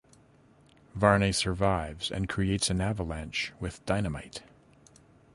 Varnay survives and creates an avalanche with dynamite.